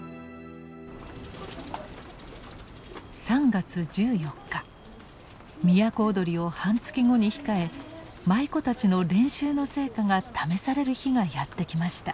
３月１４日都をどりを半月後に控え舞妓たちの練習の成果が試される日がやって来ました。